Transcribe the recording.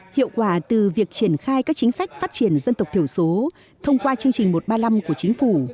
hiệu quả từ việc triển khai các chính sách phát triển dân tộc thiểu số thông qua chương trình một trăm ba mươi năm của chính phủ